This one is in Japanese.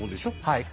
はい。